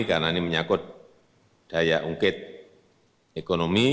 karena ini menyakut daya ungkit ekonomi